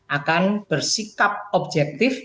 akan bersikap objektif